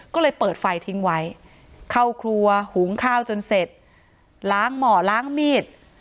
ก็เลยเปิดไฟทิ้งไว้เข้าครัวหุงข้าวจนเสร็จล้างหมอล้างมีด